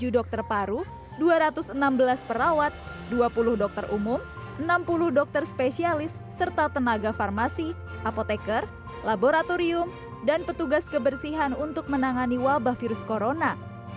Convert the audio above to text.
tujuh dokter paru dua ratus enam belas perawat dua puluh dokter umum enam puluh dokter spesialis serta tenaga farmasi apoteker laboratorium dan petugas kebersihan untuk menangani wabah virus corona